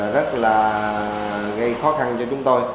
rất là gây khó khăn cho chúng tôi